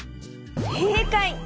せいかい！